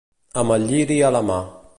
Amb el lliri a la mà.